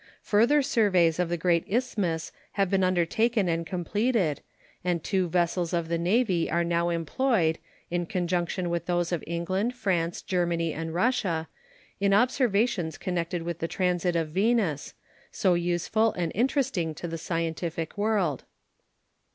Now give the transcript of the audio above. Further surveys of the great Isthmus have been undertaken and completed, and two vessels of the Navy are now employed, in conjunction with those of England, France, Germany, and Russia, in observations connected with the transit of Venus, so useful and interesting to the scientific world.